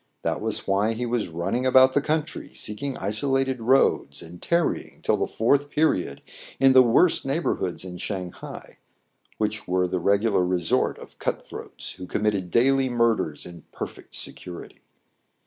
That was why he was running about the country, seek ing isolated roads, and tarrying till the foufth period in the worst neighborhoods in Shang hai, which were the regular resort of cut throats who committed daily murders in perfect security.